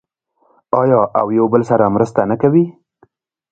آیا او یو بل سره مرسته نه کوي؟